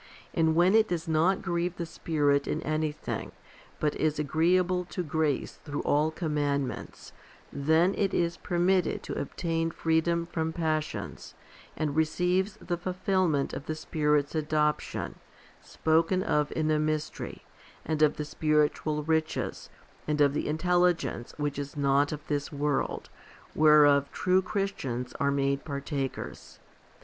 And when it does not grieve the Spirit in anything, but is agreeable to grace through all commandments, then it is permitted to obtain freedom from passions, and receives the fulfilment of the Spirit's adoption, spoken of in a mystery, and of the spiritual riches, and of the intelligence which is not of this world, whereof true Christians are made partakers.